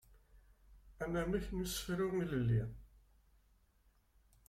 Anamek n usefru ilelli.